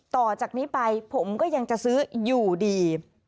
ต่อจากนี้ไปผมก็ยังจะซื้ออยู่ดี